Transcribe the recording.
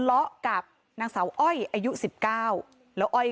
มีชายแปลกหน้า๓คนผ่านมาทำทีเป็นช่วยค่างทาง